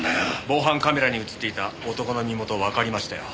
防犯カメラに映っていた男の身元わかりましたよ。